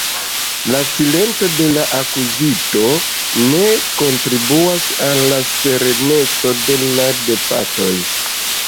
La silento de la akuzito ne kontribuas al la sereneco de la debatoj.